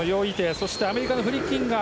そして、アメリカのフリッキンガー。